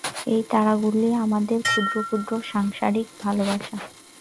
এই তারাগুলি আমাদের ক্ষুদ্র ক্ষুদ্র সাংসারিক ভালবাসা।